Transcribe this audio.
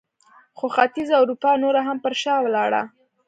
خو ختیځه اروپا نوره هم پر شا ولاړه.